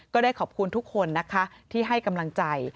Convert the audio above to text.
ก็ได้ขอบคุณทุกคนนะคะที่ให้กำลังใจ